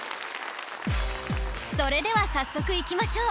それでは早速いきましょう